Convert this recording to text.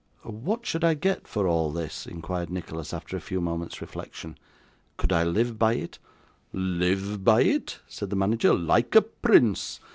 'What should I get for all this?' inquired Nicholas, after a few moments' reflection. 'Could I live by it?' 'Live by it!' said the manager. 'Like a prince!